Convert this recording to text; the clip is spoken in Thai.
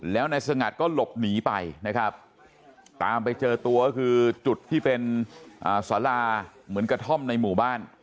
แล้วนายสงัดก็หลบหนีไปนะครับตามไปเจอตัวก็คือจุดที่เป็นสาราเหมือนกระท่อมในหมู่บ้าน